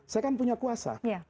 saya kan punya kuasa